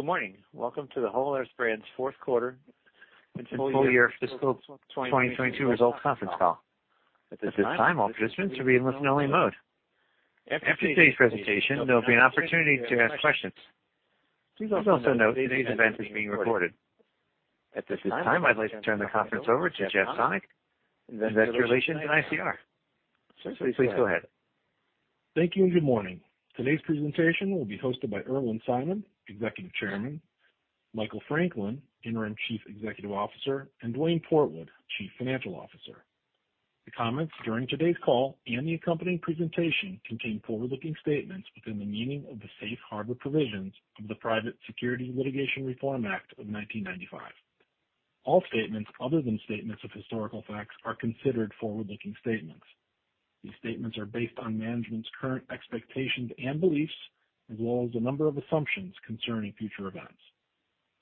Good morning. Welcome to the Whole Earth Brands Fourth Quarter and Full Year Fiscal 2022 Results Conference Call. At this time, all participants are in listen only mode. After today's presentation, there'll be an opportunity to ask questions. Please also note today's event is being recorded. At this time, I'd like to turn the conference over to Jeff Sonnek, Investor Relations and ICR. Sir, please go ahead. Thank you and good morning. Today's presentation will be hosted by Irwin Simon, Executive Chairman, Michael Franklin, Interim Chief Executive Officer, and Duane Portwood, Chief Financial Officer. The comments during today's call and the accompanying presentation contain forward-looking statements within the meaning of the safe harbor provisions of the Private Securities Litigation Reform Act of 1995. All statements other than statements of historical facts are considered forward-looking statements. These statements are based on management's current expectations and beliefs, as well as a number of assumptions concerning future events.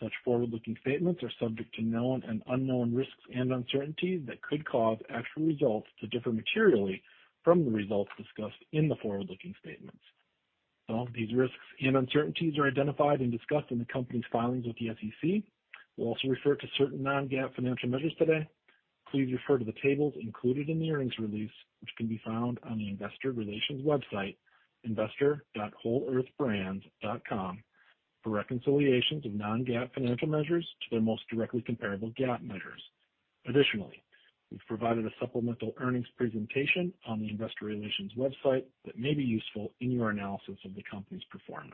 Such forward-looking statements are subject to known and unknown risks and uncertainties that could cause actual results to differ materially from the results discussed in the forward-looking statements. Some of these risks and uncertainties are identified and discussed in the Company's filings with the SEC. We'll also refer to certain non-GAAP financial measures today. Please refer to the tables included in the earnings release, which can be found on the investor relations website, investor.wholeearthbrands.com, for reconciliations of non-GAAP financial measures to their most directly comparable GAAP measures. Additionally, we've provided a supplemental earnings presentation on the investor relations website that may be useful in your analysis of the company's performance.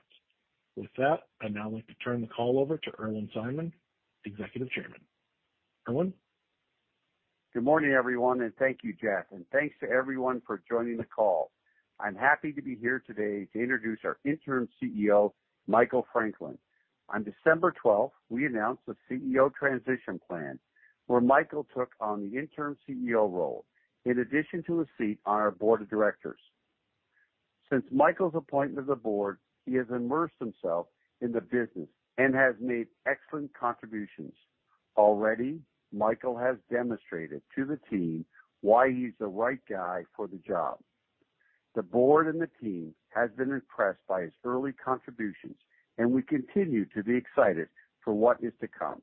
With that, I'd now like to turn the call over to Irwin Simon, Executive Chairman. Irwin. Good morning, everyone, and thank you, Jeff. Thanks to everyone for joining the call. I'm happy to be here today to introduce our Interim CEO, Michael Franklin. On December twelfth, we announced a CEO transition plan where Michael took on the Interim CEO role in addition to a seat on our Board of Directors. Since Michael's appointment to the Board, he has immersed himself in the business and has made excellent contributions. Already, Michael has demonstrated to the team why he's the right guy for the job. The Board and the team has been impressed by his early contributions. We continue to be excited for what is to come.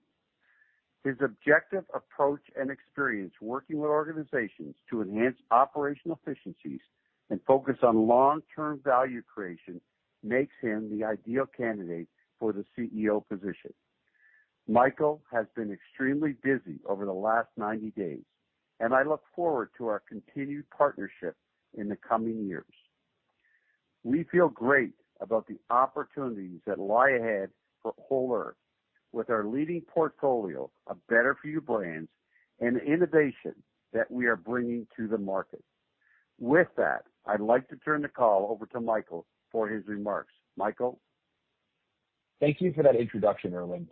His objective approach and experience working with organizations to enhance operational efficiencies and focus on long-term value creation makes him the ideal candidate for the CEO position. Michael has been extremely busy over the last 90 days, and I look forward to our continued partnership in the coming years. We feel great about the opportunities that lie ahead for Whole Earth with our leading portfolio of Better for You brands and innovation that we are bringing to the market. With that, I'd like to turn the call over to Michael for his remarks. Michael. Thank you for that introduction, Irwin.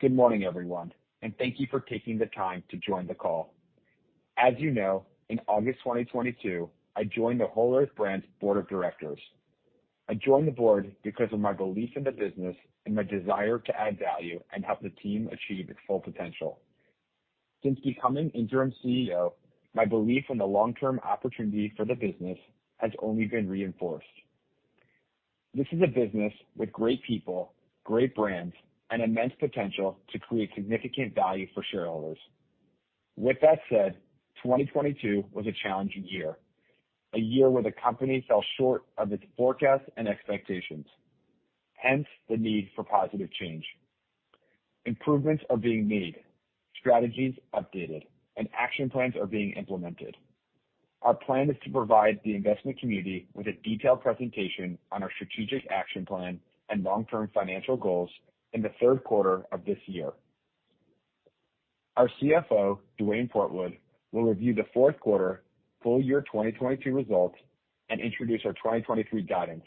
Good morning, everyone, and thank you for taking the time to join the call. As you know, in August 2022, I joined the Whole Earth Brands Board of Directors. I joined the board because of my belief in the business and my desire to add value and help the team achieve its full potential. Since becoming Interim CEO, my belief in the long-term opportunity for the business has only been reinforced. This is a business with great people, great brands, and immense potential to create significant value for shareholders. With that said, 2022 was a challenging year, a year where the company fell short of its forecasts and expectations, hence the need for positive change. Improvements are being made, strategies updated, and action plans are being implemented. Our plan is to provide the investment community with a detailed presentation on our strategic action plan and long-term financial goals in the third quarter of this year. Our CFO Duane Portwood will review the fourth quarter full year 2022 results and introduce our 2023 guidance.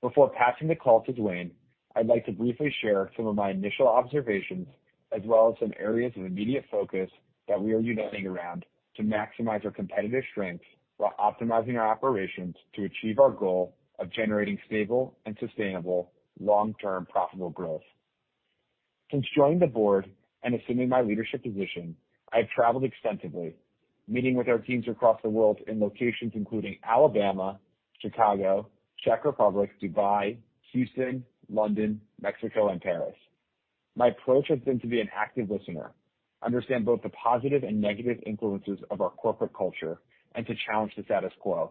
Before passing the call to Duane, I'd like to briefly share some of my initial observations as well as some areas of immediate focus that we are uniting around to maximize our competitive strengths while optimizing our operations to achieve our goal of generating stable and sustainable long-term profitable growth. Since joining the board and assuming my leadership position, I've traveled extensively, meeting with our teams across the world in locations including Alabama, Chicago, Czech Republic, Dubai, Houston, London, Mexico, and Paris. My approach has been to be an active listener, understand both the positive and negative influences of our corporate culture, and to challenge the status quo.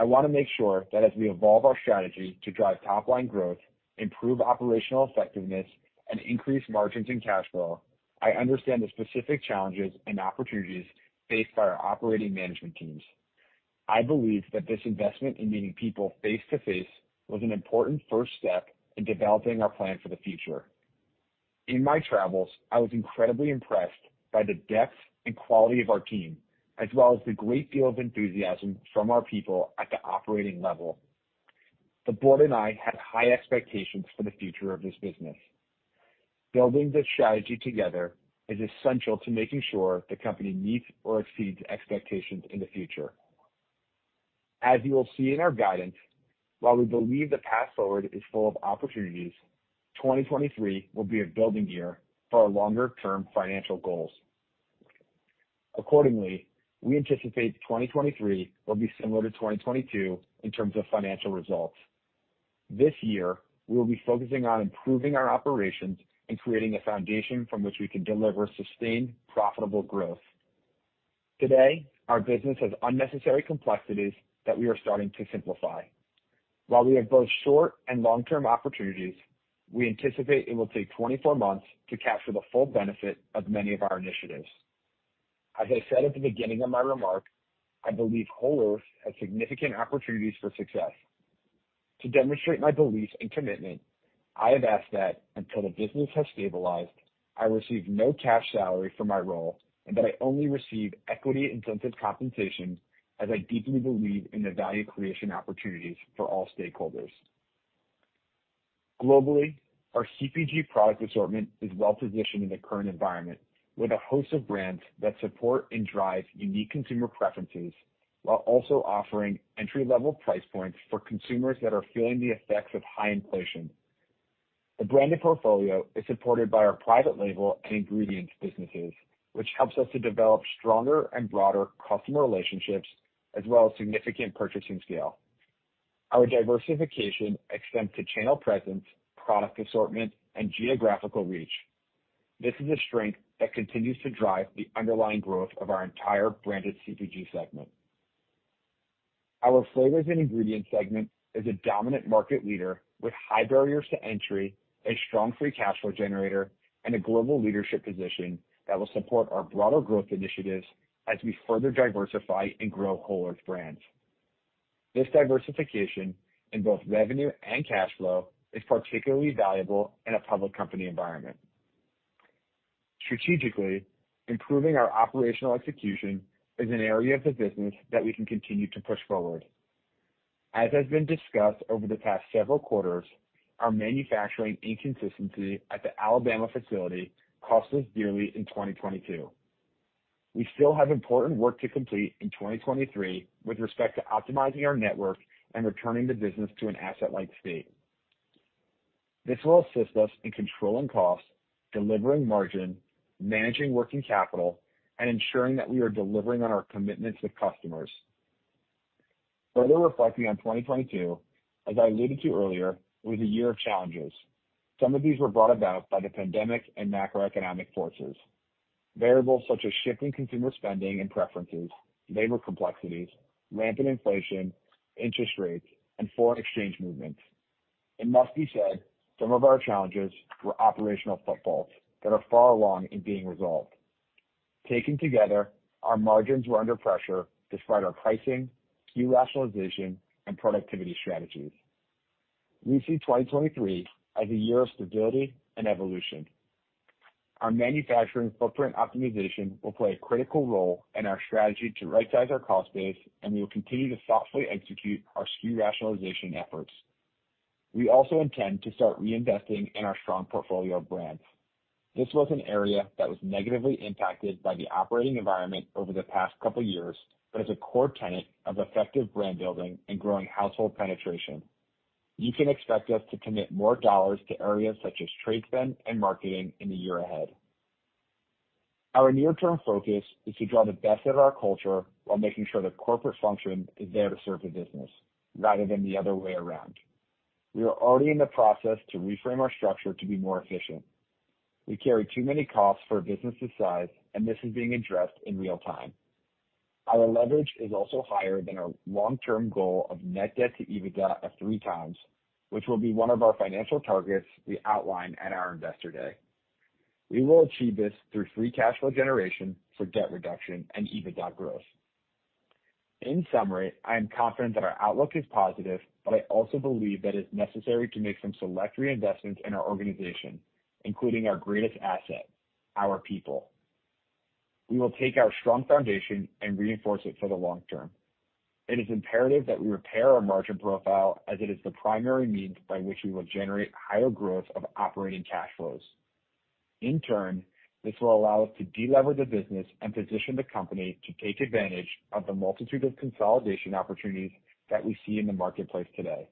I want to make sure that as we evolve our strategy to drive top line growth, improve operational effectiveness, and increase margins and cash flow, I understand the specific challenges and opportunities faced by our operating management teams. I believe that this investment in meeting people face to face was an important first step in developing our plan for the future. In my travels, I was incredibly impressed by the depth and quality of our team, as well as the great deal of enthusiasm from our people at the operating level. The board and I have high expectations for the future of this business. Building this strategy together is essential to making sure the company meets or exceeds expectations in the future. As you will see in our guidance, while we believe the path forward is full of opportunities, 2023 will be a building year for our longer-term financial goals. Accordingly, we anticipate 2023 will be similar to 2022 in terms of financial results. This year, we will be focusing on improving our operations and creating a foundation from which we can deliver sustained, profitable growth. Today, our business has unnecessary complexities that we are starting to simplify. While we have both short and long-term opportunities, we anticipate it will take 24 months to capture the full benefit of many of our initiatives. As I said at the beginning of my remark, I believe Whole Earth has significant opportunities for success. To demonstrate my belief and commitment, I have asked that until the business has stabilized, I receive no cash salary for my role and that I only receive equity-intensive compensation as I deeply believe in the value creation opportunities for all stakeholders. Globally, our CPG product assortment is well-positioned in the current environment with a host of brands that support and drive unique consumer preferences while also offering entry-level price points for consumers that are feeling the effects of high inflation. The branded portfolio is supported by our private label and ingredients businesses, which helps us to develop stronger and broader customer relationships as well as significant purchasing scale. Our diversification extends to channel presence, product assortment, and geographical reach. This is a strength that continues to drive the underlying growth of our entire branded CPG segment. Our flavors and ingredients segment is a dominant market leader with high barriers to entry, a strong free cash flow generator, and a global leadership position that will support our broader growth initiatives as we further diversify and grow Whole Earth Brands. This diversification in both revenue and cash flow is particularly valuable in a public company environment. Strategically, improving our operational execution is an area of the business that we can continue to push forward. As has been discussed over the past several quarters, our manufacturing inconsistency at the Alabama facility cost us dearly in 2022. We still have important work to complete in 2023 with respect to optimizing our network and returning the business to an asset-light state. This will assist us in controlling costs, delivering margin, managing working capital, and ensuring that we are delivering on our commitments to customers. Further reflecting on 2022, as I alluded to earlier, it was a year of challenges. Some of these were brought about by the pandemic and macroeconomic forces. Variables such as shifting consumer spending and preferences, labor complexities, rampant inflation, interest rates, and foreign exchange movements. It must be said some of our challenges were operational defaults that are far along in being resolved. Taken together, our margins were under pressure despite our pricing, SKU rationalization, and productivity strategies. We see 2023 as a year of stability and evolution. Our manufacturing footprint optimization will play a critical role in our strategy to rightsize our cost base, and we will continue to thoughtfully execute our SKU rationalization efforts. We also intend to start reinvesting in our strong portfolio of brands. This was an area that was negatively impacted by the operating environment over the past couple years, is a core tenet of effective brand building and growing household penetration. You can expect us to commit more dollars to areas such as trade spend and marketing in the year ahead. Our near-term focus is to draw the best out of our culture while making sure that corporate function is there to serve the business rather than the other way around. We are already in the process to reframe our structure to be more efficient. We carry too many costs for a business this size, this is being addressed in real time. Our leverage is also higher than our long-term goal of net debt to EBITDA of 3x, which will be one of our financial targets we outline at our Investor Day. We will achieve this through free cash flow generation for debt reduction and EBITDA growth. In summary, I am confident that our outlook is positive, but I also believe that it's necessary to make some select reinvestments in our organization, including our greatest asset, our people. We will take our strong foundation and reinforce it for the long term. It is imperative that we repair our margin profile as it is the primary means by which we will generate higher growth of operating cash flows. In turn, this will allow us to de-lever the business and position the company to take advantage of the multitude of consolidation opportunities that we see in the marketplace today.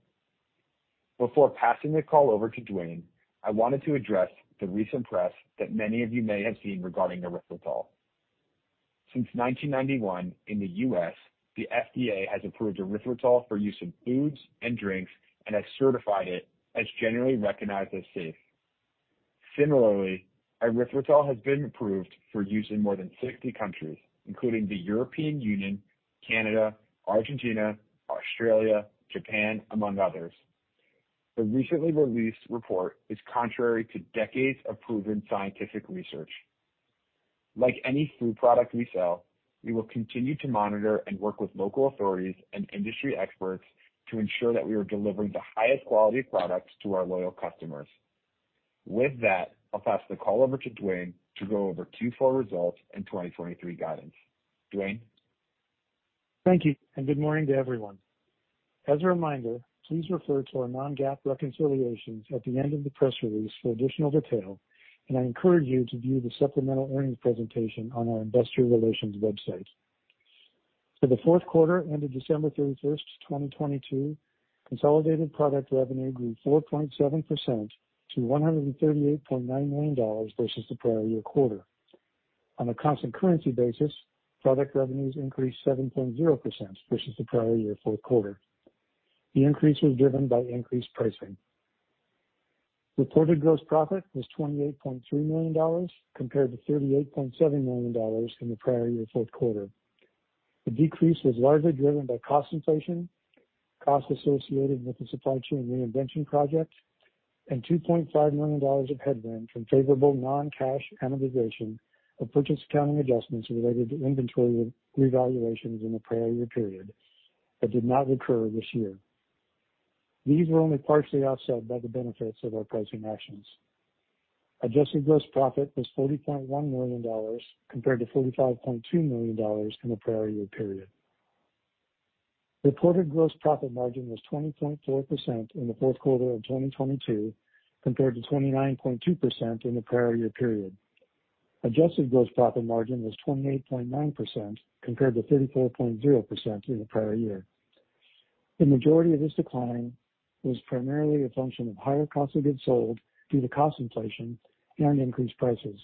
Before passing the call over to Duane, I wanted to address the recent press that many of you may have seen regarding erythritol. Since 1991 in the U.S., the FDA has approved erythritol for use in foods and drinks and has certified it as generally recognized as safe. Similarly, erythritol has been approved for use in more than 60 countries, including the European Union, Canada, Argentina, Australia, Japan, among others. The recently released report is contrary to decades of proven scientific research. Like any food product we sell, we will continue to monitor and work with local authorities and industry experts to ensure that we are delivering the highest quality products to our loyal customers. With that, I'll pass the call over to Duane to go over Q4 results and 2023 guidance. Duane? Thank you and good morning to everyone. As a reminder, please refer to our non-GAAP reconciliations at the end of the press release for additional detail, and I encourage you to view the supplemental earnings presentation on our investor relations website. For the fourth quarter ended 31st December 2022, consolidated product revenue grew 4.7% to $138.9 million versus the prior year quarter. On a constant currency basis, product revenues increased 7.0% versus the prior year fourth quarter. The increase was driven by increased pricing. Reported gross profit was $28.3 million compared to $38.7 million in the prior year fourth quarter. The decrease was largely driven by cost inflation, costs associated with the supply chain reinvention project, and $2.5 million of headwind from favorable non-cash amortization of purchase accounting adjustments related to inventory revaluations in the prior year period that did not recur this year. These were only partially offset by the benefits of our pricing actions. Adjusted gross profit was $40.1 million compared to $45.2 million in the prior year period. Reported gross profit margin was 20.4% in the fourth quarter of 2022 compared to 29.2% in the prior year period. Adjusted gross profit margin was 28.9% compared to 34.0% in the prior year. The majority of this decline was primarily a function of higher cost of goods sold due to cost inflation and increased prices.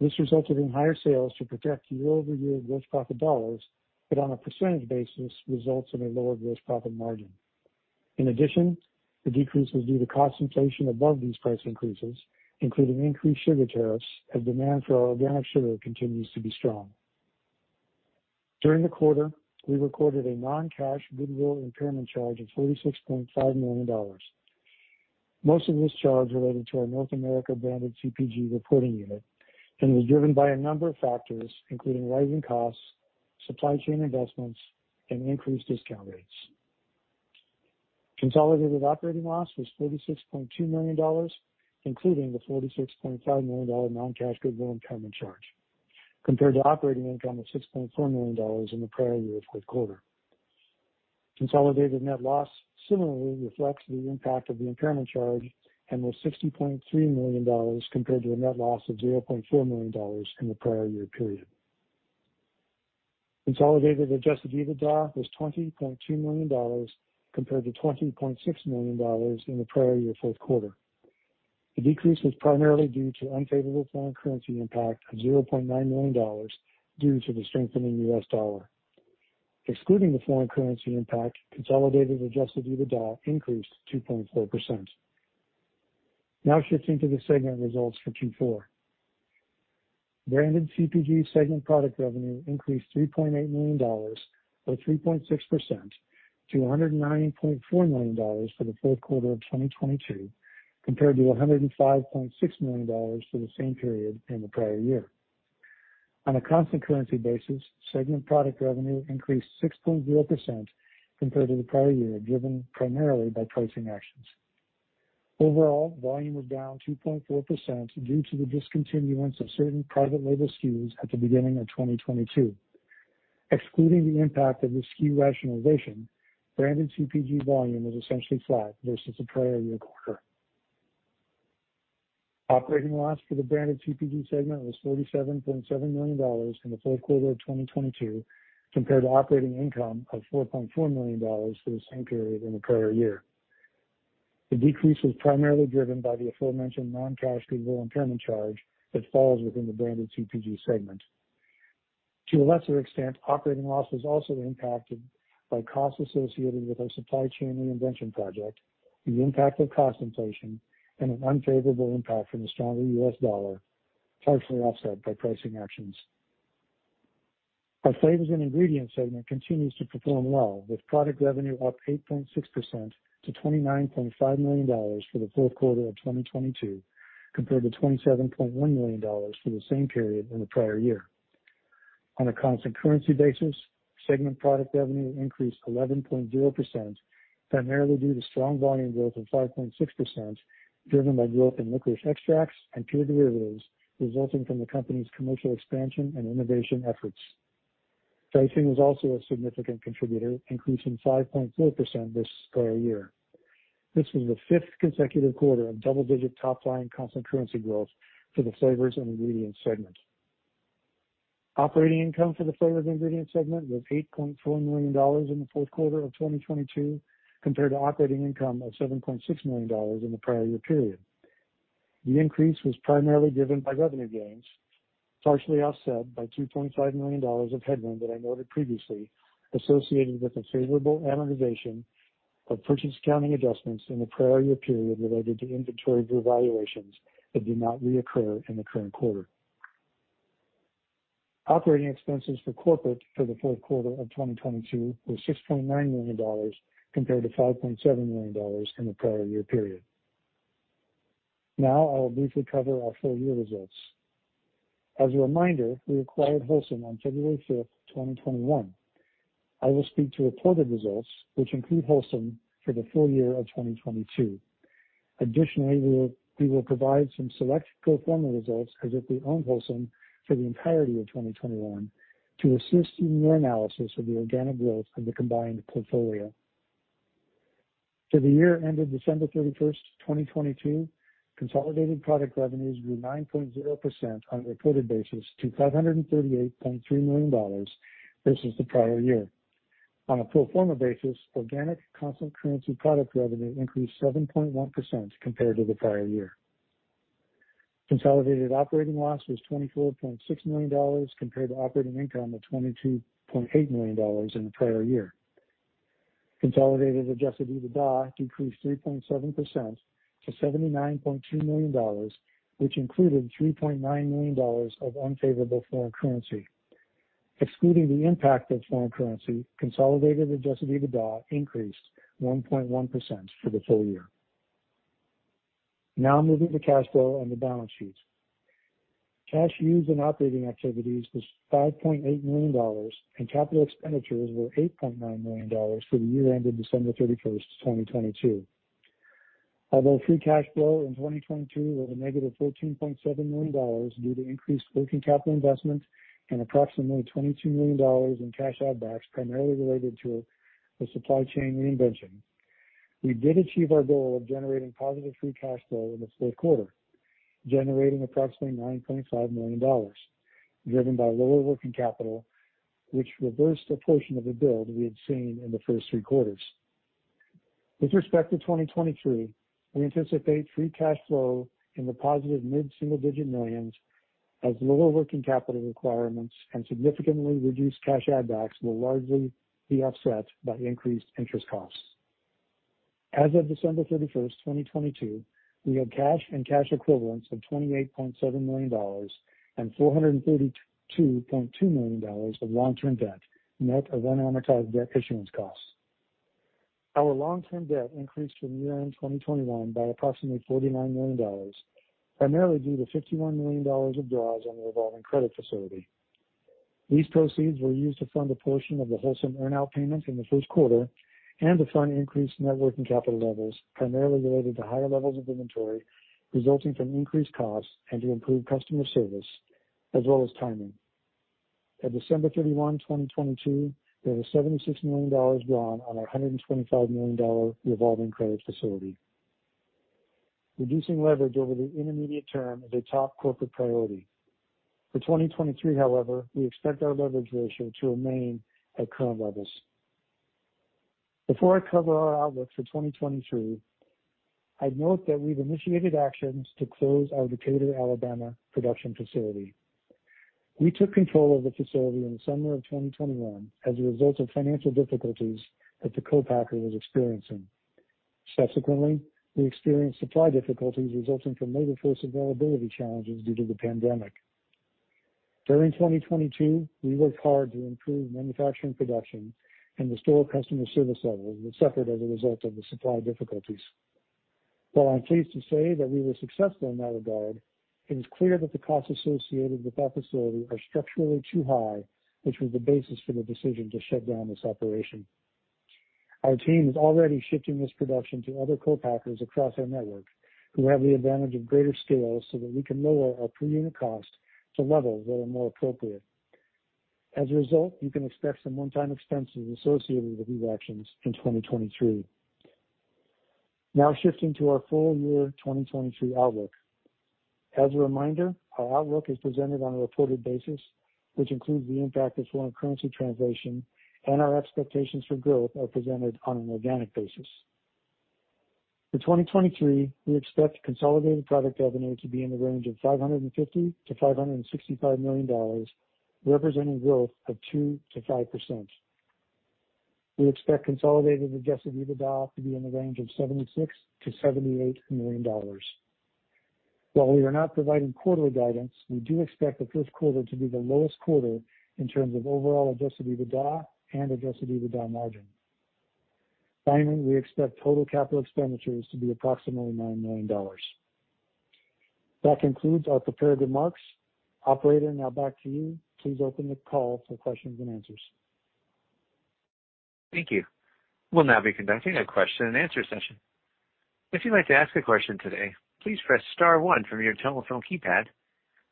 This resulted in higher sales to protect year-over-year gross profit dollars, but on a percentage basis results in a lower gross profit margin. In addition, the decrease was due to cost inflation above these price increases, including increased sugar tariffs, as demand for our organic sugar continues to be strong. During the quarter, we recorded a non-cash goodwill impairment charge of $46.5 million. Most of this charge related to our North America branded CPG reporting unit and was driven by a number of factors, including rising costs, supply chain investments, and increased discount rates. Consolidated operating loss was $46.2 million, including the $46.5 million non-cash goodwill impairment charge, compared to operating income of $6.4 million in the prior year fourth quarter. Consolidated net loss similarly reflects the impact of the impairment charge and was $60.3 million compared to a net loss of $0.4 million in the prior year period. Consolidated adjusted EBITDA was $20.2 million compared to $20.6 million in the prior year fourth quarter. The decrease was primarily due to unfavorable foreign currency impact of $0.9 million due to the strengthening US dollar. Excluding the foreign currency impact, consolidated adjusted EBITDA increased 2.4%. Shifting to the segment results for Q4. Branded CPG segment product revenue increased $3.8 million, or 3.6% to $109.4 million for the fourth quarter of 2022, compared to $105.6 million for the same period in the prior year. On a constant currency basis, segment product revenue increased 6.0% compared to the prior year, driven primarily by pricing actions. Overall, volume was down 2.4% due to the discontinuance of certain private label SKUs at the beginning of 2022. Excluding the impact of the SKU rationalization, branded CPG volume was essentially flat versus the prior year quarter. Operating loss for the branded CPG segment was $47.7 million in the fourth quarter of 2022 compared to operating income of $4.4 million for the same period in the prior year. The decrease was primarily driven by the aforementioned non-cash goodwill impairment charge that falls within the branded CPG segment. To a lesser extent, operating loss was also impacted by costs associated with our supply chain reinvention project, the impact of cost inflation, and an unfavorable impact from the stronger US dollar, partially offset by pricing actions. Our flavors and ingredients segment continues to perform well, with product revenue up 8.6% to $29.5 million for the fourth quarter of 2022 compared to $27.1 million for the same period in the prior year. On a constant currency basis, segment product revenue increased 11.0%, primarily due to strong volume growth of 5.6%, driven by growth in licorice extracts and Pure Derivatives resulting from the company's commercial expansion and innovation efforts. Pricing was also a significant contributor, increasing 5.4% versus prior year. This was the fifth consecutive quarter of double-digit top-line constant currency growth for the flavors and ingredients segment. Operating income for the flavors ingredients segment was $8.4 million in the fourth quarter of 2022 compared to operating income of $7.6 million in the prior year period. The increase was primarily driven by revenue gains, partially offset by $2.5 million of headwind that I noted previously, associated with the favorable amortization of purchase accounting adjustments in the prior year period related to inventory revaluations that did not reoccur in the current quarter. Operating expenses for corporate for the fourth quarter of 2022 were $6.9 million compared to $5.7 million in the prior year period. I will briefly cover our full year results. As a reminder, we acquired Wholesome on 5 February 2021. I will speak to reported results which include Wholesome for the full year of 2022. Additionally, we will provide some select pro forma results as if we owned Wholesome for the entirety of 2021 to assist in your analysis of the organic growth of the combined portfolio. For the year ended 31 December 2022, consolidated product revenues grew 9.0% on a reported basis to $538.3 million versus the prior year. On a pro forma basis, organic constant currency product revenue increased 7.1% compared to the prior year. Consolidated operating loss was $24.6 million compared to operating income of $22.8 million in the prior year. Consolidated adjusted EBITDA decreased 3.7% to $79.2 million, which included $3.9 million of unfavorable foreign currency. Excluding the impact of foreign currency, consolidated adjusted EBITDA increased 1.1% for the full year. Moving to cash flow and the balance sheet. Cash used in operating activities was $5.8 million and capital expenditures were $8.9 million for the year ended 31 December 2022. Although free cash flow in 2022 was a negative $14.7 million due to increased working capital investment and approximately $22 million in cash add backs, primarily related to the supply chain reinvention, we did achieve our goal of generating positive free cash flow in the fourth quarter, generating approximately $9.5 million, driven by lower working capital, which reversed a portion of the build we had seen in the first three quarters. With respect to 2023, we anticipate free cash flow in the positive mid-single digit millions as lower working capital requirements and significantly reduced cash add backs will largely be offset by increased interest costs. As of 31 December 2022, we have cash and cash equivalents of $28.7 million and $432.2 million of long-term debt, net of unamortized debt issuance costs. Our long-term debt increased from year-end 2021 by approximately $49 million, primarily due to $51 million of draws on the revolving credit facility. These proceeds were used to fund a portion of the Wholesome earn-out payments in the first quarter and to fund increased net working capital levels, primarily related to higher levels of inventory resulting from increased costs and to improve customer service as well as timing. At 31 December 2022, there was $76 million drawn on our $125 million revolving credit facility. Reducing leverage over the intermediate term is a top corporate priority. For 2023, however, we expect our leverage ratio to remain at current levels. Before I cover our outlook for 2023, I'd note that we've initiated actions to close our Decatur, Alabama, production facility. We took control of the facility in the summer of 2021 as a result of financial difficulties that the co-packer was experiencing. Subsequently, we experienced supply difficulties resulting from labor force availability challenges due to the pandemic. During 2022, we worked hard to improve manufacturing production and the store customer service levels that suffered as a result of the supply difficulties. While I'm pleased to say that we were successful in that regard, it is clear that the costs associated with that facility are structurally too high, which was the basis for the decision to shut down this operation. Our team is already shifting this production to other co-packers across our network who have the advantage of greater scale so that we can lower our per unit cost to levels that are more appropriate. You can expect some one-time expenses associated with these actions in 2023. Shifting to our full year 2023 outlook. As a reminder, our outlook is presented on a reported basis, which includes the impact of foreign currency translation, and our expectations for growth are presented on an organic basis. For 2023, we expect consolidated product revenue to be in the range of $550 million to $565 million, representing growth of 2%-5%. We expect consolidated Adjusted EBITDA to be in the range of $76 million to $78 million. While we are not providing quarterly guidance, we do expect the first quarter to be the lowest quarter in terms of overall Adjusted EBITDA and Adjusted EBITDA margin. We expect total capital expenditures to be approximately $9 million. That concludes our prepared remarks. Operator, now back to you. Please open the call for questions-and-answers. Thank you. We'll now be conducting a question and answer session. If you'd like to ask a question today, please press star one from your telephone keypad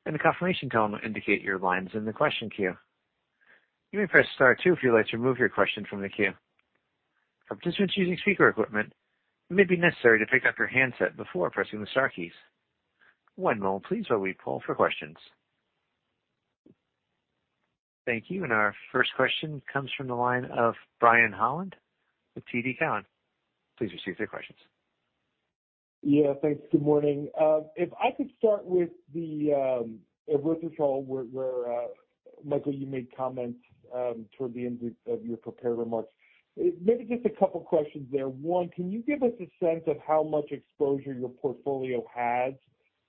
and a confirmation tone will indicate your line is in the question queue. You may press star two if you'd like to remove your question from the queue. For participants using speaker equipment, it may be necessary to pick up your handset before pressing the star keys. One moment please while we poll for questions. Thank you. Our first question comes from the line of Brian Holland with TD Cowen. Please proceed with your questions. Yeah, thanks. Good morning. If I could start with the erythritol, where Michael, you made comments toward the end of your prepared remarks. Maybe just a couple questions there. One, can you give us a sense of how much exposure your portfolio has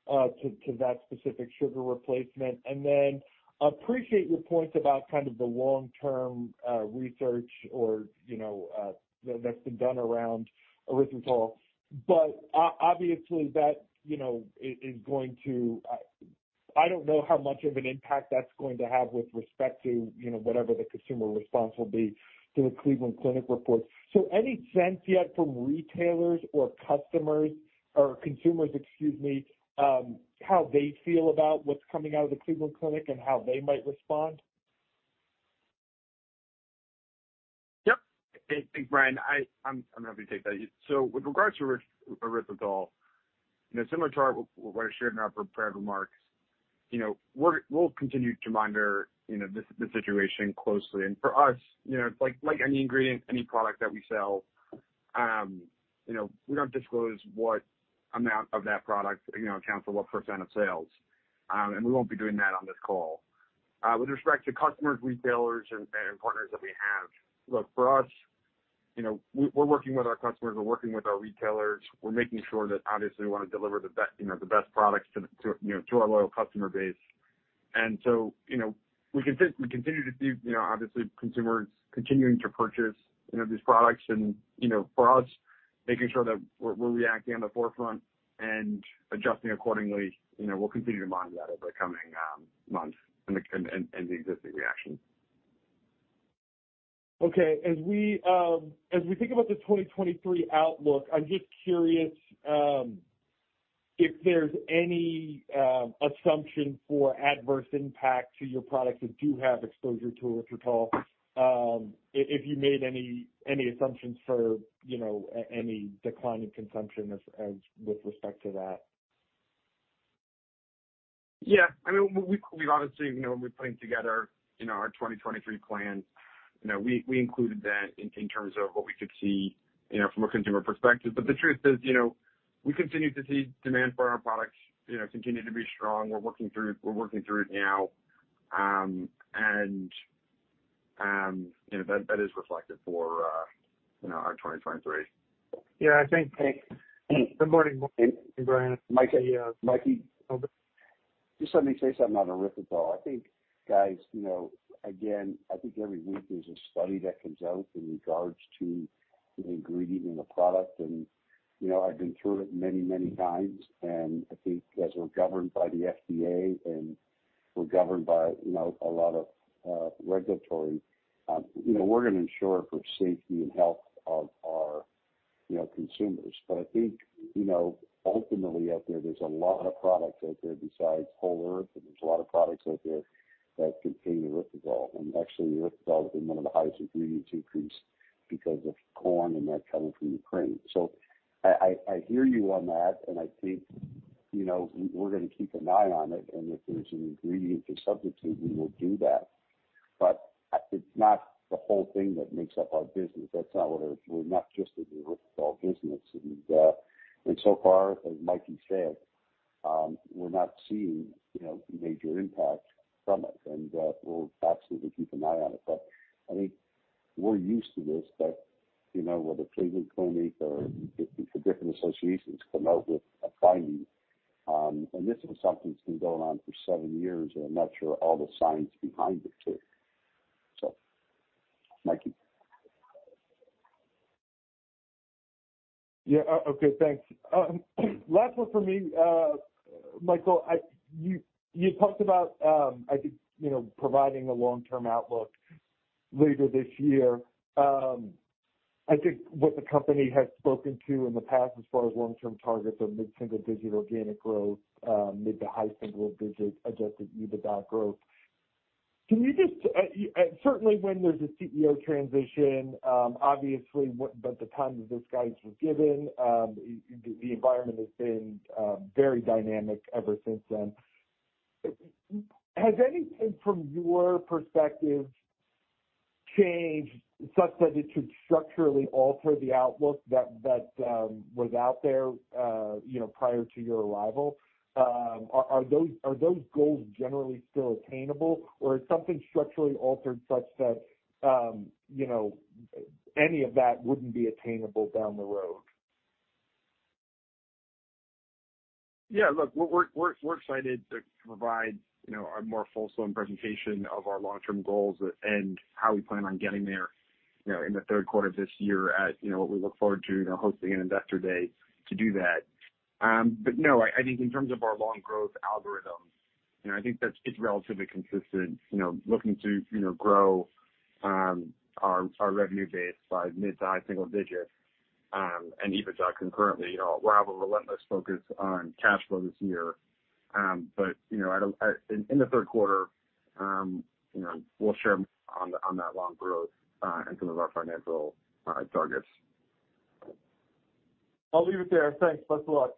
to that specific sugar replacement? Then appreciate your points about kind of the long-term research or, you know, that's been done around erythritol. Obviously, that, you know, is going to. I don't know how much of an impact that's going to have with respect to, you know, whatever the consumer response will be to the Cleveland Clinic report. Any sense yet from retailers or customers or consumers, excuse me, how they feel about what's coming out of the Cleveland Clinic and how they might respond? Yep. Hey, thanks, Brian. I'm happy to take that. With regards to erythritol, you know, similar to what I shared in our prepared remarks, you know, we'll continue to monitor, you know, the situation closely. For us, you know, like any ingredient, any product that we sell, you know, we don't disclose what amount of that product, you know, accounts for what % of sales. We won't be doing that on this call. With respect to customers, retailers and partners that we have, look, for us, you know, we're working with our customers, we're working with our retailers. We're making sure that obviously we want to deliver, you know, the best products to the, you know, to our loyal customer base you know, we continue to see, you know, obviously consumers continuing to purchase, you know, these products and, you know, for us, making sure that we're reacting on the forefront and adjusting accordingly. You know, we'll continue to monitor that over the coming months and the existing reactions. Okay. As we think about the 2023 outlook, I'm just curious, if there's any assumption for adverse impact to your products that do have exposure to erythritol, if you made any assumptions for, you know, any decline in consumption as with respect to that? Yeah, I mean, we obviously, you know, when we're putting together, you know, our 2023 plans, you know, we included that in terms of what we could see, you know, from a consumer perspective. The truth is, you know, we continue to see demand for our products, you know, continue to be strong. We're working through it now. You know, that is reflected for, you know, our 2023. Yeah. Hey. Good morning, Mike and Brian. Mike, Mikey. Over. Just let me say something on erythritol. I think, guys, you know, again, I think every week there's a study that comes out in regards to an ingredient in a product and, you know, I've been through it many, many times. I think as we're governed by the FDA and we're governed by, you know, a lot of regulatory, you know, we're gonna ensure for safety and health of our, you know, consumers. I think, you know, ultimately out there's a lot of products out there besides Whole Earth, and there's a lot of products out there that contain erythritol. Actually, erythritol has been one of the highest ingredients increase because of corn and that coming from Ukraine. I hear you on that, and I think, you know, we're gonna keep an eye on it, and if there's an ingredient to substitute, we will do that. It's not the whole thing that makes up our business. That's not what it is. We're not just an erythritol business. So far, as Mikey said, we're not seeing, you know, major impact from it. We'll absolutely keep an eye on it. I think we're used to this, that, you know, where the Cleveland Clinic or the different associations come out with a finding, and this is something that's been going on for seven years, and I'm not sure all the science behind it too. Mikey. Yeah. Okay, thanks. Last one from me. Michael, you talked about, I think, you know, providing a long-term outlook later this year. I think what the company has spoken to in the past as far as long-term targets are mid-single digit organic growth, mid to high single digit adjusted EBITDA growth. Can you just, certainly when there's a CEO transition, obviously the time that those guides were given, the environment has been very dynamic ever since then. Has anything from your perspective changed such that it should structurally alter the outlook that was out there, you know, prior to your arrival? Are those goals generally still attainable, or is something structurally altered such that, you know, any of that wouldn't be attainable down the road? Yeah. Look, we're excited to provide, you know, a more full swing presentation of our long-term goals and how we plan on getting there, you know, in the third quarter of this year at, you know, what we look forward to, you know, hosting an Investor Day to do that. No, I think in terms of our long growth algorithm, you know, I think that's it's relatively consistent, you know, looking to, you know, grow our revenue base by mid to high single digits and EBITDA concurrently. You know, we'll have a relentless focus on cash flow this year. You know, in the third quarter, you know, we'll share on that long growth and some of our financial targets. I'll leave it there. Thanks. Best of luck.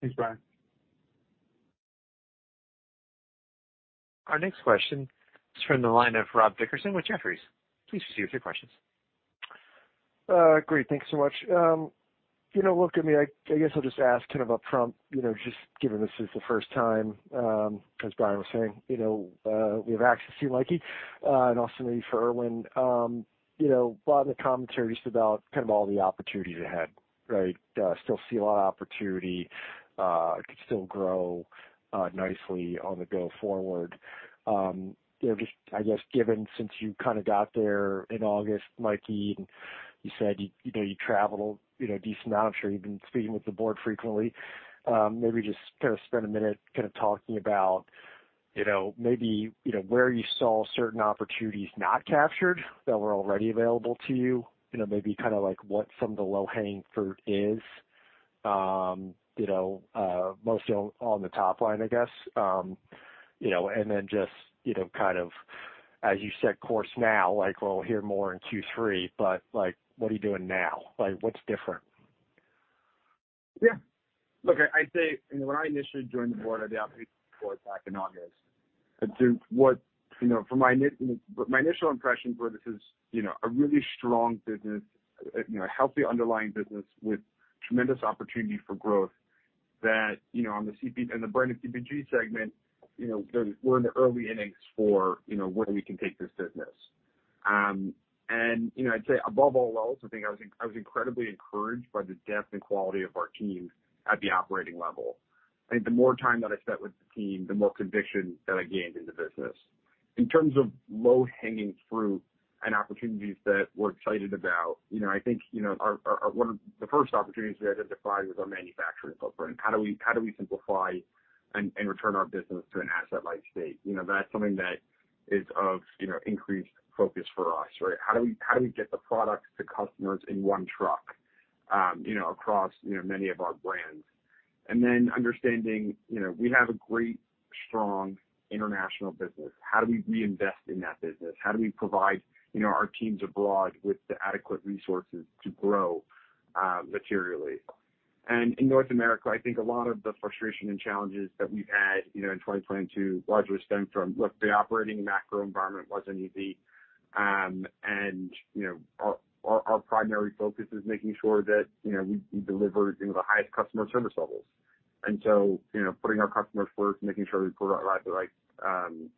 Thanks, Brian. Our next question is from the line of Rob Dickerson with Jefferies. Please proceed with your questions. Great. Thank you so much. You know, look, I mean, I guess I'll just ask kind of upfront, you know, just given this is the first time, as Brian was saying, you know, we have access to you, Mikey, and also maybe for Irwin. You know, a lot of the commentary is about kind of all the opportunities ahead, right? Still see a lot of opportunity, could still grow nicely on the go forward. You know, just I guess given since you kinda got there in August, Mikey, and you said you know, you travel, you know, a decent amount. I'm sure you've been speaking with the board frequently. maybe just kind of spend a minute kind of talking about, you know, maybe, you know, where you saw certain opportunities not captured that were already available to you. You know, maybe kinda like what some of the low-hanging fruit is, you know, mostly on the top line, I guess. You know, and then just, you know, kind of as you set course now, like we'll hear more in Q3, but like, what are you doing now? Like, what's different? Look, I'd say when I initially joined the board, the operating board back in August, I think what, you know, from my initial impressions were this is, you know, a really strong business, you know, a healthy underlying business with tremendous opportunity for growth that, you know, on the CPG in the brand and CPG segment, you know, there's we're in the early innings for, you know, where we can take this business. You know, I'd say above all else, I think I was incredibly encouraged by the depth and quality of our team at the operating level. I think the more time that I spent with the team, the more conviction that I gained in the business. In terms of low-hanging fruit and opportunities that we're excited about, you know, I think, you know, our. one of the first opportunities we identified was our manufacturing footprint. How do we, how do we simplify and return our business to an asset-light state? You know, that's something that is of, you know, increased focus for us, right? How do we, how do we get the product to customers in one truck, you know, across, you know, many of our brands? Understanding, you know, we have a great strong international business. How do we reinvest in that business? How do we provide, you know, our teams abroad with the adequate resources to grow materially? In North America, I think a lot of the frustration and challenges that we've had, you know, in 2022 largely stemmed from, look, the operating macro environment wasn't easy. You know, our primary focus is making sure that, you know, we deliver, you know, the highest customer service levels. you know, putting our customers first, making sure we put our like,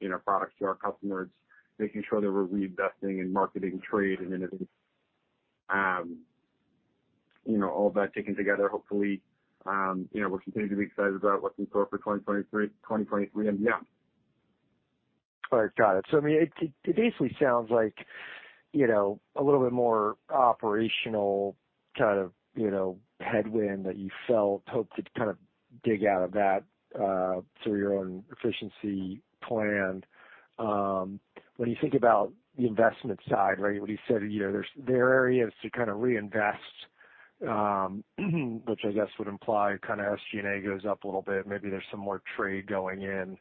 you know, products to our customers, making sure that we're reinvesting in marketing trade and innovation. you know, all that taken together, hopefully, you know, we're continuing to be excited about what's in store for 2023 and beyond. All right. Got it. I mean, it basically sounds like, you know, a little bit more operational kind of, you know, headwind that you felt, hope to kind of dig out of that through your own efficiency plan. When you think about the investment side, right, when you said, you know, there are areas to kind of reinvest, which I guess would imply kinda SG&A goes up a little bit. Maybe there's some more trade going in.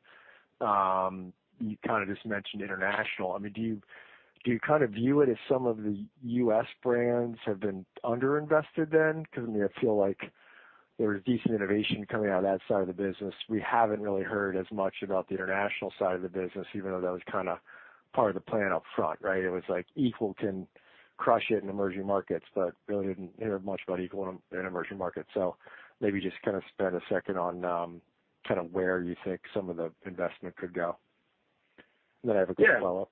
You kinda just mentioned international. I mean, do you, do you kind of view it as some of the U.S. brands have been underinvested then? 'Cause I mean, I feel like there's decent innovation coming out of that side of the business. We haven't really heard as much about the international side of the business, even though that was kinda part of the plan up front, right? It was like Equal can crush it in emerging markets, but really didn't hear much about Equal in emerging markets. Maybe just kinda spend a second on kinda where you think some of the investment could go. I have a quick follow-up.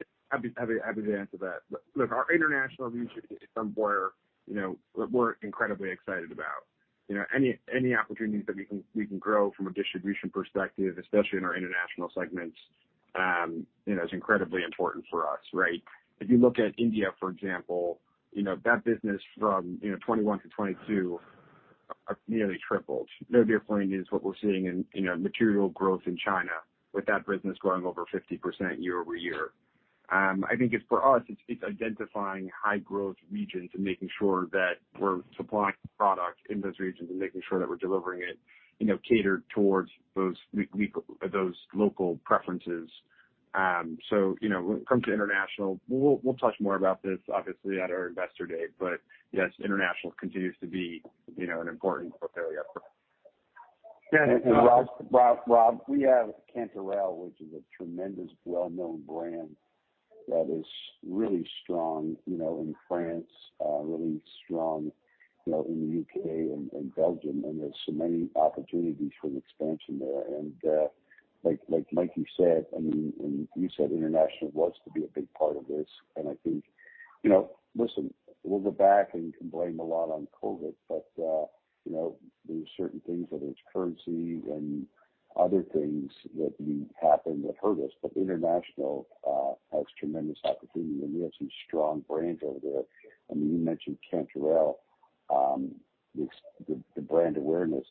Yeah. Happy to answer that. Look, our international views somewhere, you know, we're incredibly excited about. You know, any opportunities that we can grow from a distribution perspective, especially in our international segments, you know, is incredibly important for us, right? If you look at India, for example, you know, that business from, you know, 21 to 22 nearly tripled. No different is what we're seeing in, you know, material growth in China with that business growing over 50% year-over-year. I think it's for us, it's identifying high growth regions and making sure that we're supplying product in those regions and making sure that we're delivering it, you know, catered towards those local preferences. You know, when it comes to international, we'll touch more about this obviously at our Investor Day. Yes, international continues to be, you know, an important area for us. Yeah. Rob, we have Canderel, which is a tremendous well-known brand that is really strong, you know, in France, really strong, you know, in the U.K. and Belgium. There's so many opportunities for expansion there. Like, like Mikey said, I mean, and you said international was to be a big part of this. I think, you know, listen, we'll go back and can blame a lot on Covid, but, you know, there's certain things, whether it's currency and other things that we happened that hurt us. International has tremendous opportunity, and we have some strong brands over there. I mean, you mentioned Canderel, the brand awareness.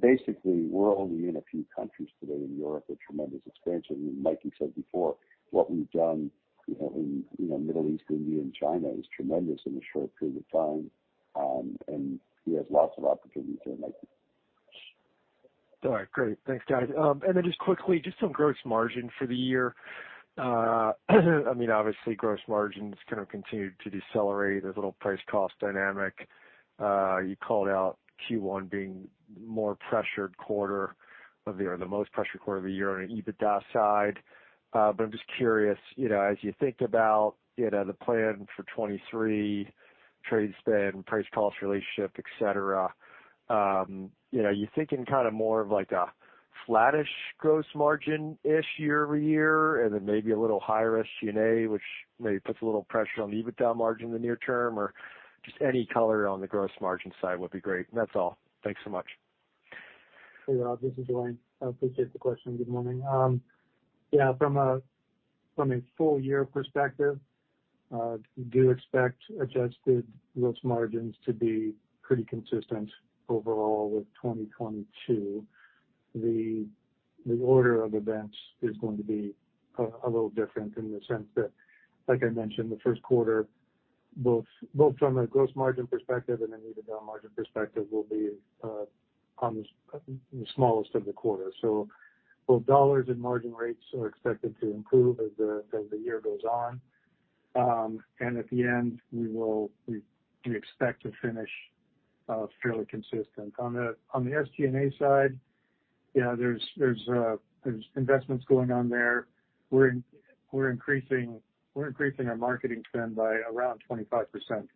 Basically, we're only in a few countries today in Europe with tremendous expansion. Mikey said before, what we've done, you know, in, you know, Middle East, India, and China is tremendous in a short period of time. He has lots of opportunities there, Mikey. All right. Great. Thanks, guys. Then just quickly, just on gross margin for the year. I mean, obviously gross margins kind of continued to decelerate as little price cost dynamic. You called out Q1 being more pressured quarter of the year, the most pressured quarter of the year on an EBITDA side. I'm just curious, you know, as you think about, you know, the plan for 23 trade spend, price cost relationship, et cetera, are you thinking kinda more of like a flattish gross margin-ish year-over-year and then maybe a little higher SG&A, which maybe puts a little pressure on EBITDA margin in the near term? Or just any color on the gross margin side would be great. That's all. Thanks so much. Hey, Rob, this is Duane. I appreciate the question. Good morning. Yeah, from a full year perspective, we do expect adjusted gross margins to be pretty consistent overall with 2022. The order of events is going to be a little different in the sense that, like I mentioned, the first quarter, both from a gross margin perspective and an EBITDA margin perspective will be the smallest of the quarter. Both dollars and margin rates are expected to improve as the year goes on. At the end, we expect to finish fairly consistent. On the SG&A side, yeah, there's investments going on there. We're increasing our marketing spend by around 25%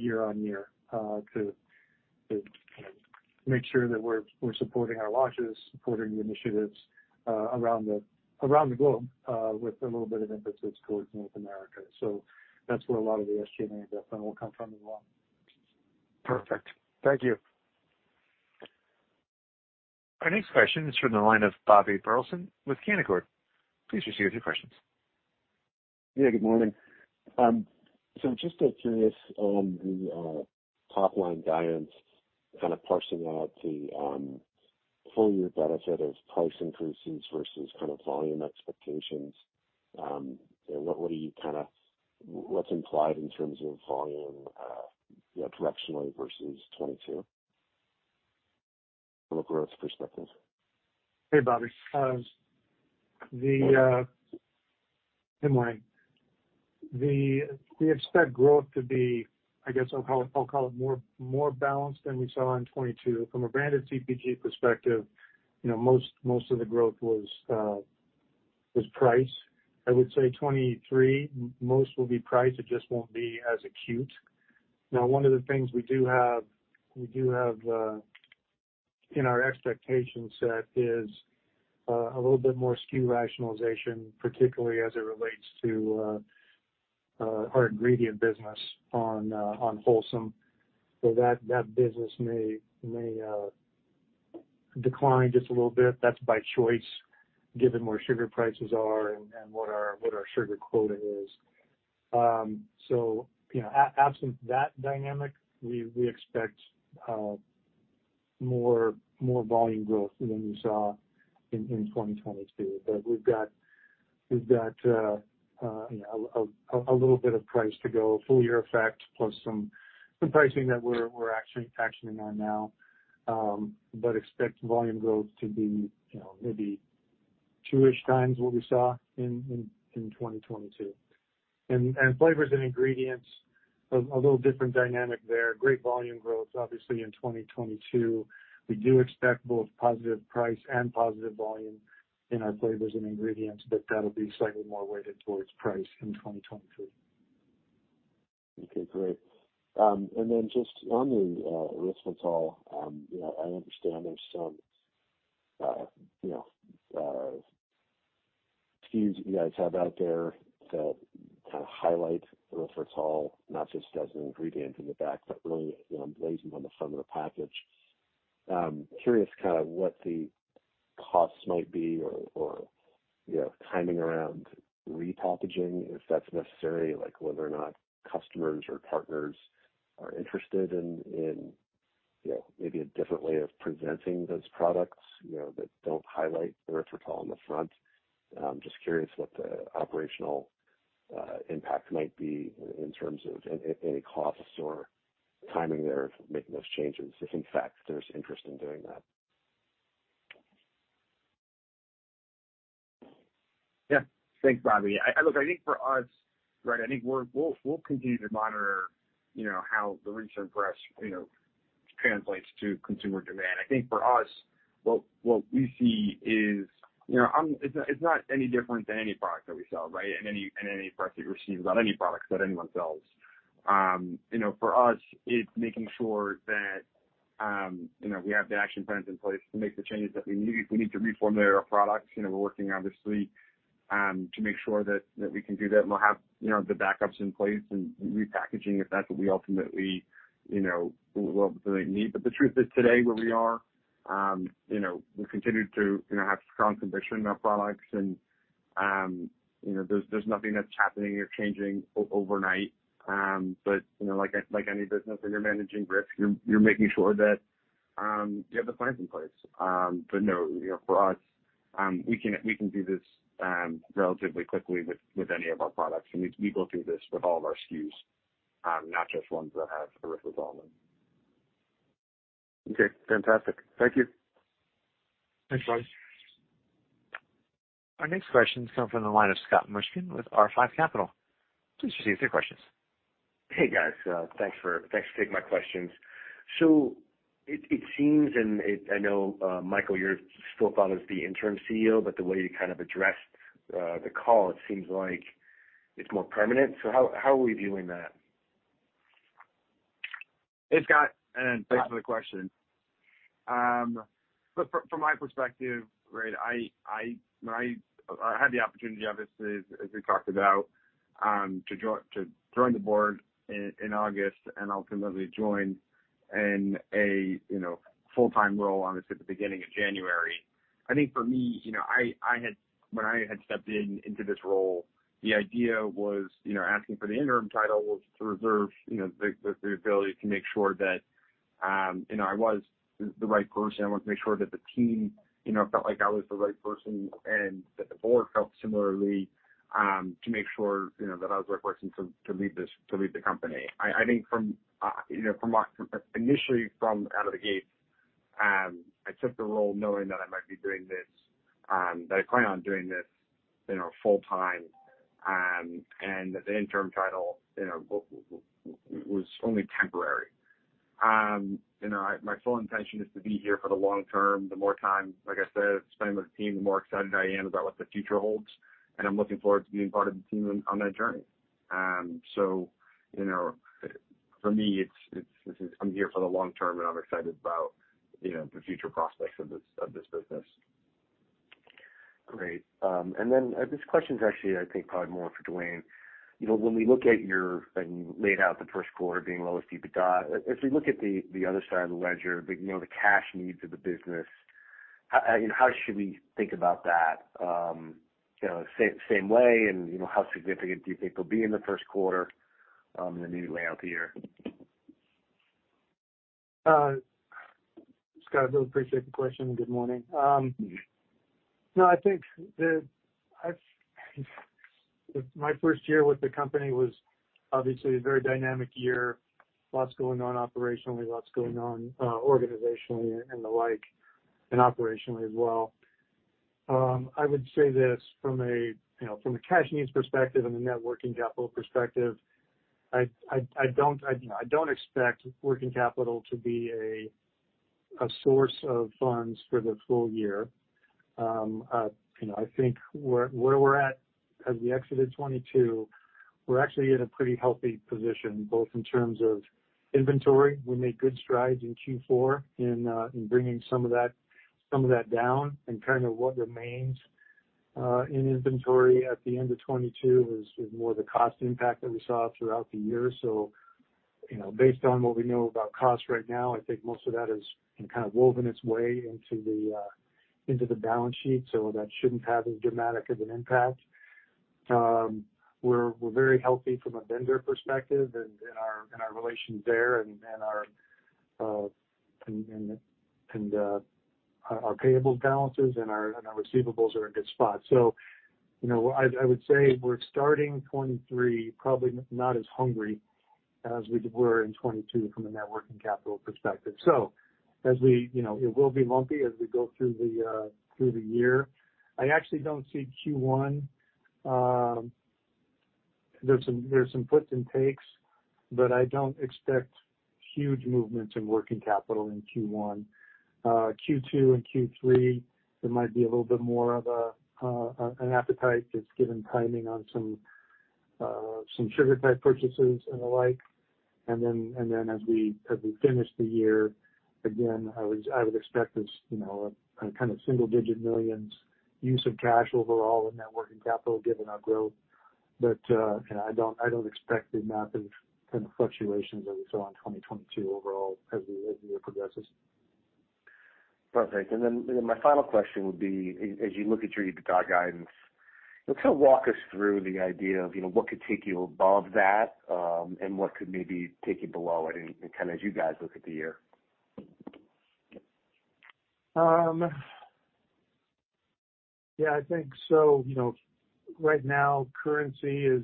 year-on-year to make sure that we're supporting our launches, supporting the initiatives around the globe with a little bit of emphasis towards North America. That's where a lot of the SG&A investment will come from. Perfect. Thank you. Our next question is from the line of Bobby Burleson with Canaccord. Please proceed with your questions. Yeah, good morning. just curious on the top line guidance, kind of parsing out the full year benefit of price increases versus kind of volume expectations, you know, what are you what's implied in terms of volume, you know, directionally versus 2022 from a growth perspective? Hey, Bobby. Hey, Mike. We expect growth to be, I guess I'll call it more balanced than we saw in 2022. From a branded CPG perspective, you know, most of the growth was price. I would say 2023 most will be price. It just won't be as acute. One of the things we do have in our expectation set is a little bit more SKU rationalization, particularly as it relates to our ingredient business on Wholesome. That business may decline just a little bit. That's by choice, given where sugar prices are and what our sugar quota is. You know, absent that dynamic, we expect more volume growth than we saw in 2022. We've got, you know, a little bit of price to go, full year effect plus some pricing that we're actually actioning on now. Expect volume growth to be, you know, maybe 2-ish times what we saw in 2022. Flavors and ingredients, a little different dynamic there. Great volume growth, obviously in 2022. We do expect both positive price and positive volume in our flavors and ingredients, but that'll be slightly more weighted towards price in 2023. Okay, great. Just on the erythritol, you know, I understand there's some, you know, SKUs you guys have out there that kind of highlight erythritol, not just as an ingredient in the back, but really, you know, emblazoned on the front of the package. Curious kind of what the costs might be or, you know, timing around repackaging if that's necessary, like whether or not customers or partners are interested in, you know, maybe a different way of presenting those products, you know, that don't highlight erythritol on the front. Just curious what the operational impact might be in terms of any costs or timing there of making those changes, if in fact there's interest in doing that. Yeah. Thanks, Bobby. Look, I think for us, right, I think we'll continue to monitor, you know, how the recent press, you know, translates to consumer demand. I think for us, what we see is, you know, it's not any different than any product that we sell, right? Any press you receive about any products that anyone sells. You know, for us, it's making sure that, you know, we have the action plans in place to make the changes that we need. If we need to reformulate our products, you know, we're working obviously to make sure that we can do that and we'll have, you know, the backups in place and repackaging if that's what we ultimately, you know, we'll really need. The truth is today, where we are, you know, we continue to, you know, have strong conviction in our products and, you know, there's nothing that's happening or changing overnight. You know, like any business, when you're managing risk, you're making sure that you have the plans in place. No, you know, for us, we can do this relatively quickly with any of our products. We go through this with all of our SKUs, not just ones that have erythritol in them. Okay, fantastic. Thank you. Thanks, Bobby. Our next question has come from the line of Scott Mushkin with R5 Capital. Please proceed with your questions. Hey, guys. Thanks for taking my questions. It seems, and I know Michael, you're still filed as the Interim CEO, but the way you kind of addressed the call, it seems like it's more permanent. How are we viewing that? Hey, Scott, thanks for the question. Look, from my perspective, right, I, when I had the opportunity, obviously, as we talked about, to join the board in August and ultimately join in a, you know, full-time role, obviously at the beginning of January. I think for me, you know, when I had stepped into this role, the idea was, you know, asking for the interim title was to reserve, you know, the ability to make sure that, you know, I was the right person. I wanted to make sure that the team, you know, felt like I was the right person and that the board felt similarly, to make sure, you know, that I was the right person to lead this, to lead the company. I think from, you know, initially from out of the gate, I took the role knowing that I might be doing this, that I plan on doing this, you know, full time. That the interim title, you know, was only temporary. You know, my full intention is to be here for the long term. The more time, like I said, I spend with the team, the more excited I am about what the future holds, and I'm looking forward to being part of the team on that journey. You know, for me, it's I'm here for the long term, and I'm excited about, you know, the future prospects of this business. Great. Then this question is actually, I think, probably more for Duane. You know, when we look at and you laid out the first quarter being low EBITDA, if we look at the other side of the ledger, you know, the cash needs of the business, how, you know, how should we think about that? You know, same way, and, you know, how significant do you think they'll be in the first quarter, and then you lay out the year? Scott, really appreciate the question. Good morning. No, I think My first year with the company was obviously a very dynamic year. Lots going on operationally, lots going on, organizationally and the like, and operationally as well. I would say this from a, you know, from a cash needs perspective and a net working capital perspective, I don't, you know, I don't expect working capital to be a source of funds for the full year. You know, I think where we're at as we exited 22, we're actually in a pretty healthy position, both in terms of inventory. We made good strides in Q4 in bringing some of that down. Kind of what remains in inventory at the end of 2022 is more the cost impact that we saw throughout the year. You know, based on what we know about cost right now, I think most of that has been kind of woven its way into the balance sheet. That shouldn't have as dramatic of an impact. We're very healthy from a vendor perspective and our relations there and our payable balances and our receivables are in a good spot. You know, I would say we're starting 2023 probably not as hungry as we were in 2022 from a net working capital perspective. As we you know, it will be lumpy as we go through the year. I actually don't see Q1. and takes, but I don't expect huge movements in working capital in Q1. Q2 and Q3, there might be a little bit more of an appetite, just given timing on some sugar type purchases and the like. Then as we finish the year, again, I would expect this, you know, a kind of single digit millions use of cash overall and net working capital given our growth. But, you know, I don't expect the amount of kind of fluctuations that we saw in 2022 overall as the year progresses. Perfect. Then my final question would be as you look at your EBITDA guidance, you know, kind of walk us through the idea of, you know, what could take you above that, and what could maybe take you below it and kind of as you guys look at the year. Yeah, I think so. You know, right now currency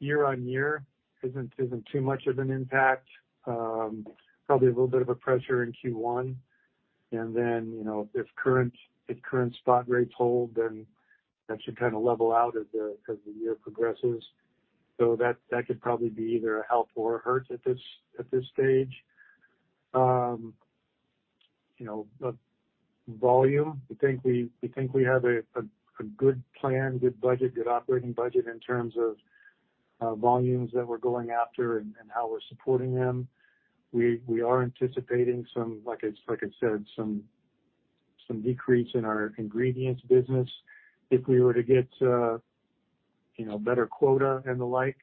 year-on-year isn't too much of an impact. Probably a little bit of a pressure in Q1. You know, if current spot rates hold, then that should kind of level out as the year progresses. That could probably be either a help or a hurt at this stage. You know, volume, I think we think we have a good plan, good budget, good operating budget in terms of volumes that we're going after and how we're supporting them. We are anticipating some, like I said, some decrease in our ingredients business. If we were to get, you know, better quota and the like,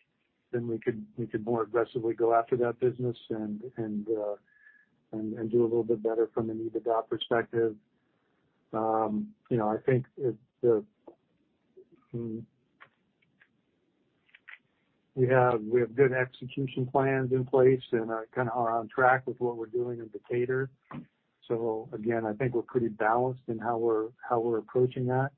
then we could more aggressively go after that business and do a little bit better from an EBITDA perspective. You know, we have good execution plans in place and are kind of on track with what we're doing in the Decatur. Again, I think we're pretty balanced in how we're approaching that.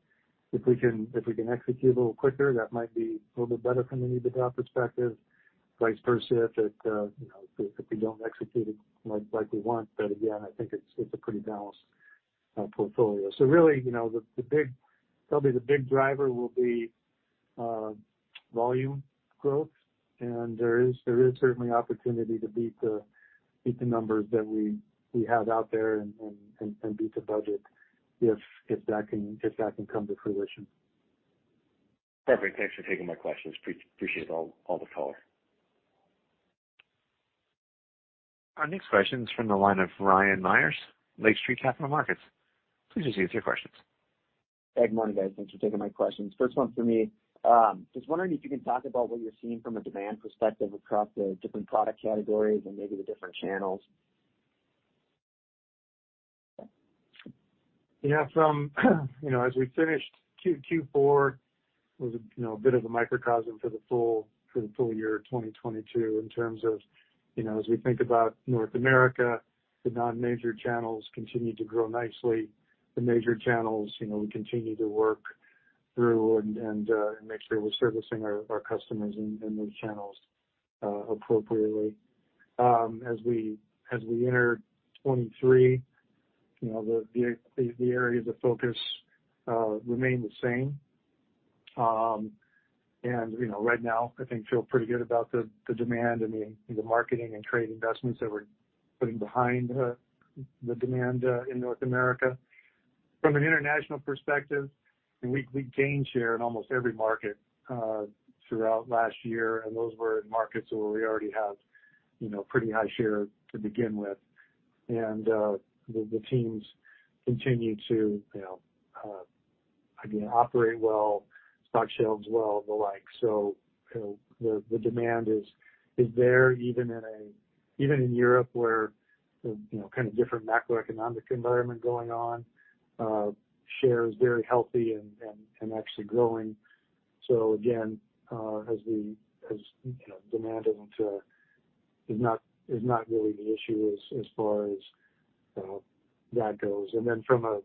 If we can execute a little quicker, that might be a little bit better from an EBITDA perspective. Vice versa if it, you know, if we don't execute it like we want. Again, I think it's a pretty balanced portfolio. Really, you know, probably the big driver will be volume growth. There is certainly opportunity to beat the numbers that we have out there and beat the budget if that can come to fruition. Perfect. Thanks for taking my questions. Appreciate all the color. Our next question is from the line of Ryan Meyers, Lake Street Capital Markets. Please proceed with your questions. Good morning, guys. Thanks for taking my questions. First one for me, just wondering if you can talk about what you're seeing from a demand perspective across the different product categories and maybe the different channels. Yeah. From, you know, as we finished Q4, it was a, you know, a bit of a microcosm for the full year 2022 in terms of, you know, as we think about North America, the non-major channels continued to grow nicely. The major channels, you know, we continue to work through and make sure we're servicing our customers in those channels appropriately. As we enter 2023, you know, the areas of focus remain the same. You know, right now I think feel pretty good about the demand and the marketing and trade investments that we're putting behind the demand in North America. From an international perspective, we gained share in almost every market throughout last year. Those were in markets where we already have, you know, pretty high share to begin with. The teams continue to, you know, again, operate well, stock shelves well, the like. You know, the demand is there even in Europe where the, you know, kind of different macroeconomic environment going on, share is very healthy and actually growing. Again, as, you know, demand isn't, is not really the issue as far as that goes. Then from a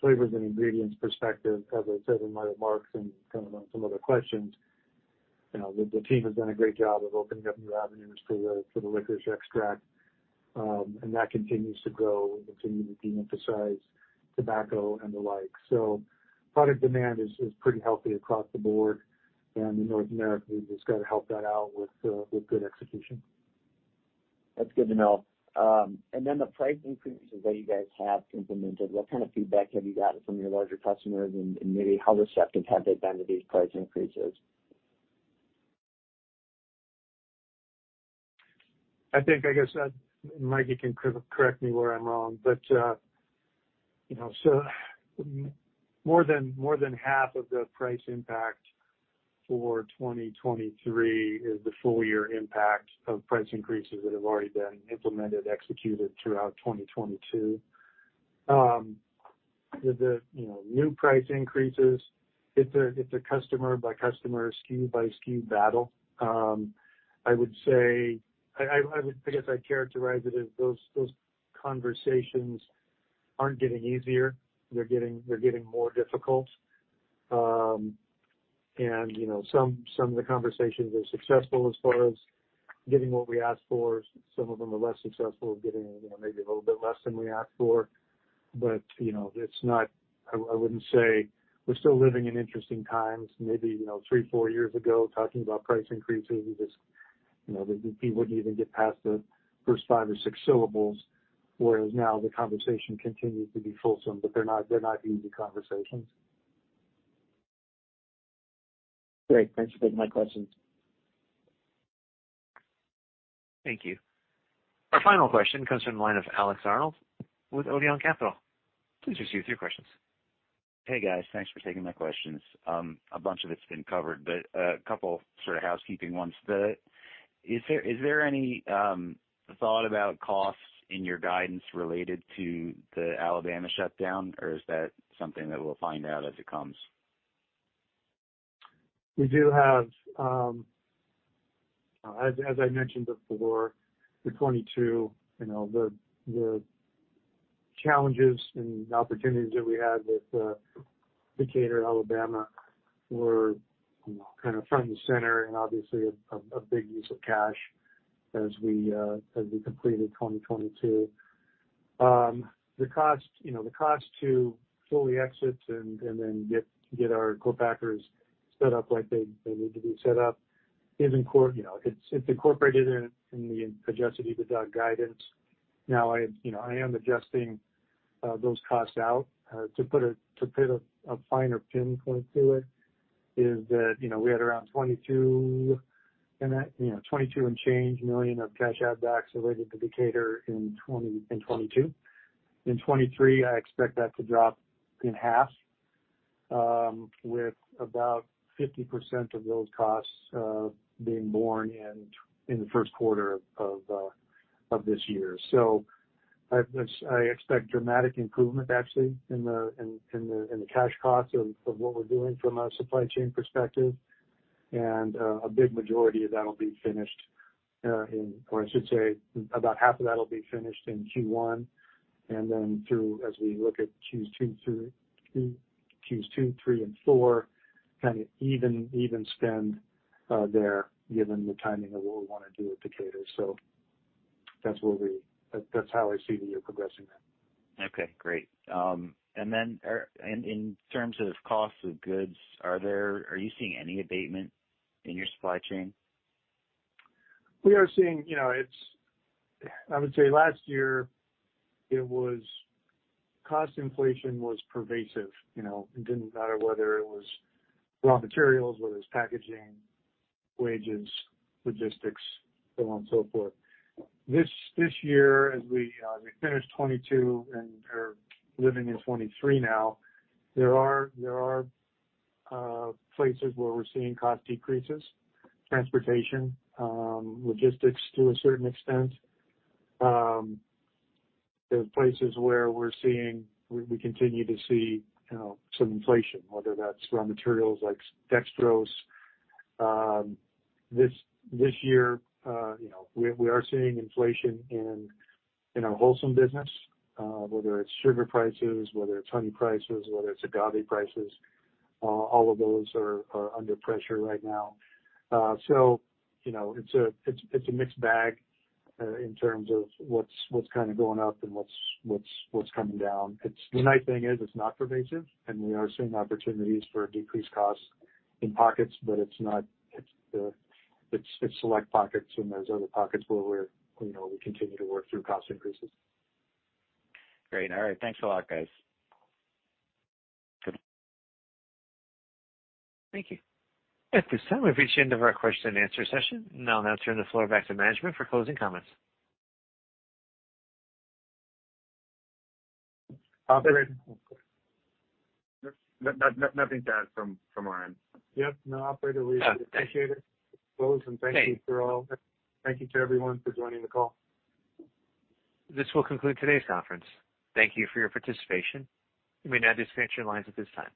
flavors and ingredients perspective, as Mike remarks and kind of on some other questions. You know, the team has done a great job of opening up new avenues for the licorice extract. That continues to grow and continue to de-emphasize tobacco and the like. Product demand is pretty healthy across the board. In North America, we've just got to help that out with good execution. That's good to know. The price increases that you guys have implemented, what kind of feedback have you gotten from your larger customers? Maybe how receptive have they been to these price increases? I think, I guess that Mikey can correct me where I'm wrong, you know, more than half of the price impact for 2023 is the full year impact of price increases that have already been implemented, executed throughout 2022. You know, new price increases, it's a customer by customer, SKU by SKU battle. I would say I guess I'd characterize it as those conversations aren't getting easier. They're getting more difficult. You know, some of the conversations are successful as far as getting what we ask for. Some of them are less successful at getting, you know, maybe a little bit less than we ask for. You know, I wouldn't say we're still living in interesting times. Maybe, you know, three, four years ago, talking about price increases, we just, you know, the people wouldn't even get past the first five or six syllables, whereas now the conversation continues to be fulsome, but they're not, they're not easy conversations. Great. Thanks for taking my questions. Thank you. Our final question comes from the line of Alex Arnold with Odeon Capital. Please proceed with your questions. Hey, guys. Thanks for taking my questions. A bunch of it's been covered. A couple sort of housekeeping ones. Is there any thought about costs in your guidance related to the Alabama shutdown, or is that something that we'll find out as it comes? We do have. As I mentioned before, the 2022, you know, the challenges and opportunities that we had with Decatur, Alabama, were, you know, kind of front and center and obviously a big use of cash as we completed 2022. The cost, you know, the cost to fully exit and then get our co-packers set up like they need to be set up is, you know, it's incorporated in the adjusted EBITDA guidance. I, you know, I am adjusting those costs out to put a finer pinpoint to it, is that, you know, we had around $22 and that, you know, $22 and change million of cash outbacks related to Decatur in 2022. In 2023, I expect that to drop in half, with about 50% of those costs being borne in the 1st quarter of this year. I expect dramatic improvement actually in the cash costs of what we're doing from a supply chain perspective. A big majority of that'll be finished, or I should say about half of that'll be finished in Q1. Then through, as we look at Q2, Q3 and Q4, kind of even spend there given the timing of what we wanna do with Decatur. That's how I see the year progressing then. Okay, great. In terms of cost of goods, are you seeing any abatement in your supply chain? We are seeing, you know, I would say last year it was. Cost inflation was pervasive. You know, it didn't matter whether it was raw materials, whether it's packaging, wages, logistics, so on and so forth. This year as we finish 2022 and are living in 2023 now, there are places where we're seeing cost decreases, transportation, logistics to a certain extent. There's places where we continue to see, you know, some inflation, whether that's raw materials like dextrose. This year, you know, we are seeing inflation in our Wholesome business, whether it's sugar prices, whether it's honey prices, whether it's agave prices, all of those are under pressure right now you know, it's a mixed bag in terms of what's kind of going up and what's coming down. The nice thing is it's not pervasive, and we are seeing opportunities for decreased costs in pockets, but it's select pockets and there's other pockets where, you know, we continue to work through cost increases. Great. All right. Thanks a lot, guys. Good. Thank you. At this time, we've reached the end of our question-and-answer session. I'll now turn the floor back to management for closing comments. Nothing to add from our end. Yep. No operator, we appreciate it. Okay. Close and thank you for all. Thank you to everyone for joining the call. This will conclude today's conference. Thank you for your participation. You may now disconnect your lines at this time.